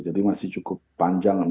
jadi masih cukup panjang